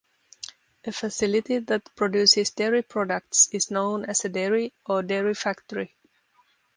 A facility that produces dairy products is known as a dairy, or dairy factory.